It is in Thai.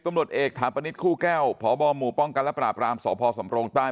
ตำรวจเอกถาปนิษฐคู่แก้วพบหมู่ป้องกันและปราบรามสพสำรงใต้